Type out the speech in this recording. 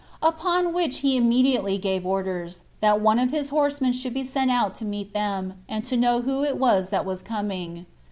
Upon which he immediately gave orders, that one of his horsemen should be sent out to meet them, and to know who it was that was coming.